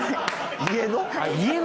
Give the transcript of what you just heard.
家の！？